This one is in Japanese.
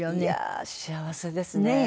いやあ幸せですね。